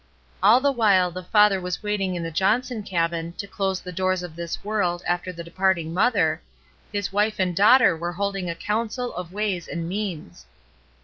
All the while the father was waiting in the Johnson cabin to close the doors of this world after the departing mSther, his wife and daughter were holding a council of ways and means.